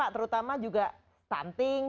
terutama juga stunting